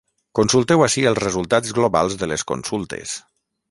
Consulteu ací els resultats globals de les consultes.